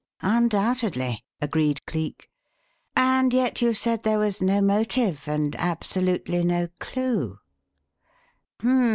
"Undoubtedly," agreed Cleek. "And yet you said there was no motive and absolutely no clue.